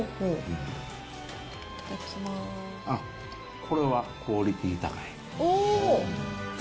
あっ、これはクオリティー高い。